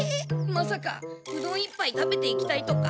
まさかうどん１ぱい食べていきたいとか？